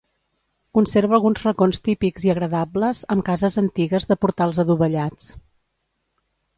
Conserva alguns racons típics i agradables, amb cases antigues de portals adovellats.